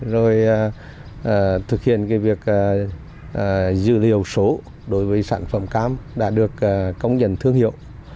rồi thực hiện việc dữ liệu số đối với sản phẩm cam đã được công nhận thương hiệu